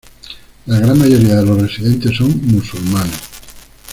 La gran mayoría de los residentes son musulmanes.